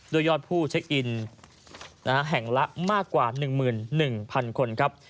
ยอดผู้เช็คอินแห่งละมากกว่า๑๑๐๐๐คนครับ